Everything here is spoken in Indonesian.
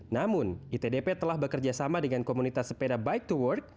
namun itdp telah bekerja sama dengan komunitas sepeda bike to work